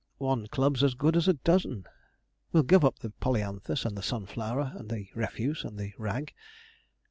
One club's as good as a dozen will give up the Polyanthus and the Sunflower, and the Refuse and the Rag.